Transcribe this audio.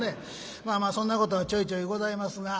まあまあそんなことがちょいちょいございますが。